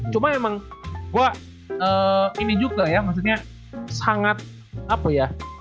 cuma emang gue ini juga ya maksudnya sangat apa ya